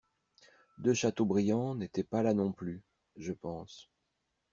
De Châteaubriand n'était pas là non plus, je pense!